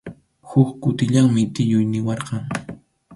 Huk kutillanmi tiyuy niwarqan.